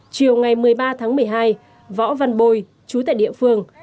chiều ngày một mươi ba tháng một mươi hai võ văn bôi chú tại địa phương